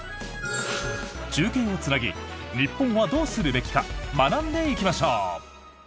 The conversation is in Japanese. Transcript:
中継をつなぎ日本はどうするべきか学んでいきましょう。